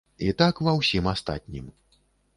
І так ва ўсім астатнім.